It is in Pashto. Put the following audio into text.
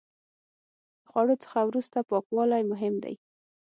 د خوړو څخه وروسته پاکوالی مهم دی.